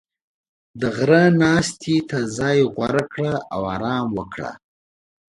• د غره ناستې ته ځای غوره کړه او آرام وکړه.